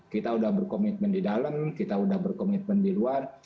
kita sudah berkomitmen di dalam kita sudah berkomitmen di luar